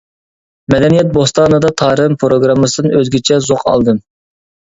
«مەدەنىيەت بوستانىدا تارىم» پىروگراممىسىدىن ئۆزگىچە زوق ئالدىم.